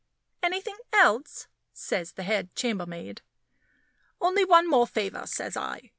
"Anything else?" says the head chambermaid. "Only one more favor," says I.